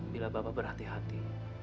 bila bapak berhati hati